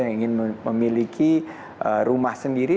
yang ingin memiliki rumah sendiri